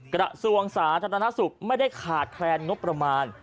กระทรวงสาธารณสุขไม่ได้ขาดแคลนงบประมาณ